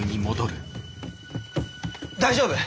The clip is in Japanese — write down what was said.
大丈夫？